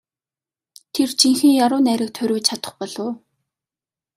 Тэр жинхэнэ яруу найраг туурвиж чадах болов уу?